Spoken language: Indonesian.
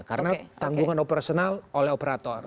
karena tanggungan operasional oleh operator